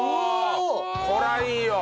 これはいいよ！